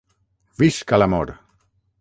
Visca l'amor!